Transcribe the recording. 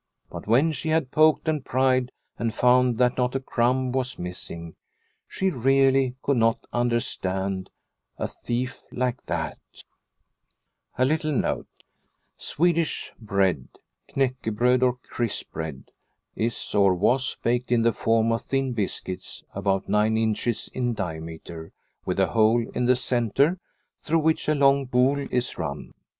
But when she had poked and pried and found that not a crumb was missing, she really could not understand a thief like that. 1 Swedish bread is baked in the form of thin biscuits, about nine inches in diameter with a hole in the centre, through which a long pole is run.